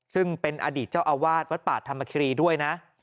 ซึ่งเป็นอดีตเจ้าอาวาสวัดป่าธรรมคิรีด้วยนะ